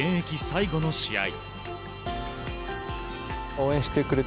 最後の試合。